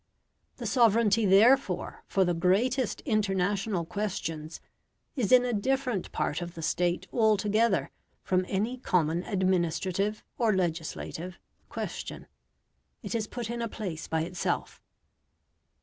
The sovereignty therefore for the greatest international questions is in a different part of the State altogether from any common administrative or legislative question. It is put in a place by itself.